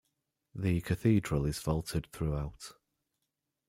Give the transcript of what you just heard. The cathedral is vaulted throughout.